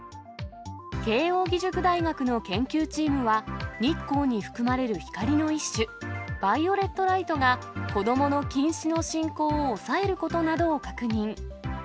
慶応義塾大学の研究チームは、日光に含まれる光の一種、バイオレットライトが子どもの近視の進行を抑えることなどを確認。